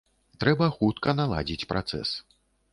Трэба хутка наладзіць працэс.